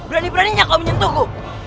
berani beraninya kau menyentuhku